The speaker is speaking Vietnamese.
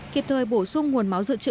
kịp thời bổ sung nguồn máu giữ chữ